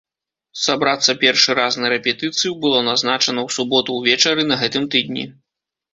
Сабрацца першы раз на рэпетыцыю было назначана ў суботу ўвечары на гэтым тыдні.